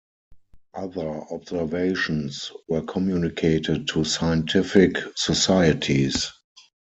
Other observations were communicated to scientific societies.